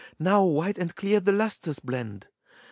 Now white and clear the lustres blend!